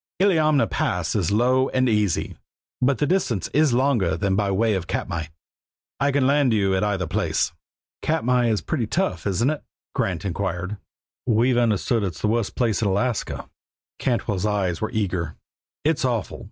Illiamna Pass is low and easy, but the distance is longer than by way of Katmai. I can land you at either place." "Katmai is pretty tough, isn't it?" Grant inquired. "We've understood it's the worst pass in Alaska." Cantwell's eyes were eager. "It's awful!